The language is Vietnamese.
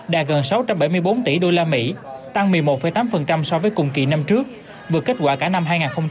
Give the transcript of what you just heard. đạt gần sáu trăm bảy mươi bốn tỷ usd tăng một mươi một tám so với cùng kỳ năm trước vượt kết quả cả năm hai nghìn hai mươi ba